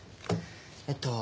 えっと